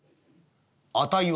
「値は？」。